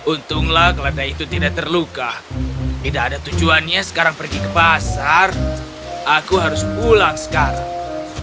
untunglah keledai itu tidak terluka tidak ada tujuannya sekarang pergi ke pasar aku harus pulang sekarang